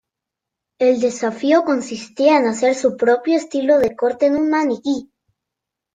El desafío consistía en hacer su propio estilo de corte en un maniquí.